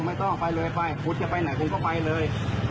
ไม่ต้องไปเลยฮุทจะไปไหนก็ไปเลย